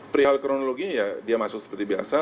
perihal kronologi ya dia masuk seperti biasa